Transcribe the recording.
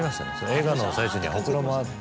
映画の最中にはホクロもあって。